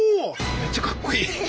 めちゃかっこいい。